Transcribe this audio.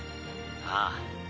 ああ。